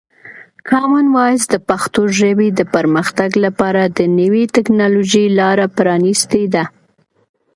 کامن وایس د پښتو ژبې د پرمختګ لپاره د نوي ټکنالوژۍ لاره پرانیستې ده.